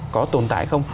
có tồn tại không